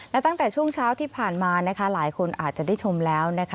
และตั้งแต่ช่วงเช้าที่ผ่านมานะคะหลายคนอาจจะได้ชมแล้วนะคะ